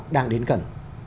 đang đến gần